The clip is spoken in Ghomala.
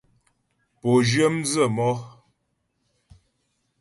Pǒ zhyə mdzə̌ mɔ́.